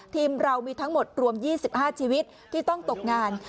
ทีมเรามีทั้งหมดรวม๒๕ชีวิตที่ต้องตกงาน